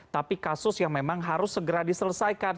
tapi kasus yang memang harus segera diselesaikan